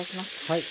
はい。